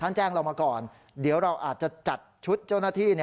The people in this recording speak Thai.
แจ้งเรามาก่อนเดี๋ยวเราอาจจะจัดชุดเจ้าหน้าที่